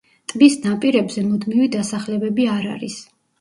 ტბის ნაპირებზე მუდმივი დასახლებები არ არის.